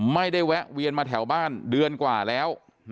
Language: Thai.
แวะเวียนมาแถวบ้านเดือนกว่าแล้ว